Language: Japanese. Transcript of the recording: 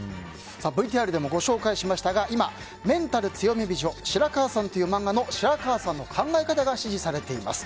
ＶＴＲでもご紹介しましたが「メンタル強め美女白川さん」という本の白川さんの考えが支持されています。